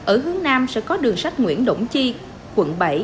ở hướng nam sẽ có đường sách nguyễn đổng chi quận bảy